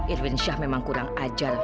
irwin syah memang kurang ajar